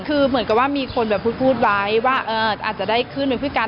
คือเหมือนกับว่ามีคนแบบพูดไว้ว่าอาจจะได้ขึ้นเป็นผู้การ